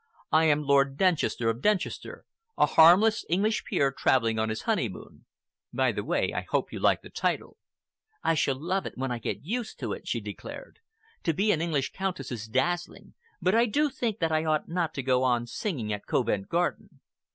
I am Lord Denchester of Denchester, a harmless English peer traveling on his honeymoon. By the way, I hope you like the title." "I shall love it when I get used to it," she declared. "To be an English Countess is dazzling, but I do think that I ought not to go on singing at Covent Garden."